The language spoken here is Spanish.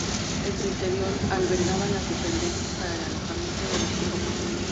En su interior albergaba las dependencias para el alojamiento de las tropas.